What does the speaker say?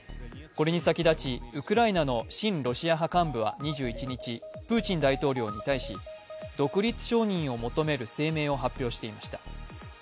これに先立ち、ウクライナの親ロシア派幹部は２１日、プーチン大統領に対し、独立承認を求める声明を発表していました。